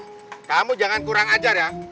eh kamu jangan kurang ajar ya